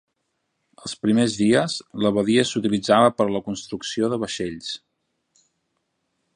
Els primers dies, la badia s'utilitzava per a la construcció de vaixells.